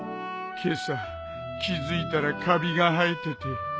今朝気付いたらカビが生えてて。